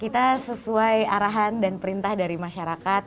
kita sesuai arahan dan perintah dari masyarakat